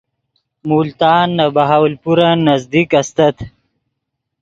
ملتان نے بہاولپورن نزدیک استت